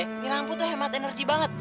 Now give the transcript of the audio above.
ini lampu tuh hemat energi banget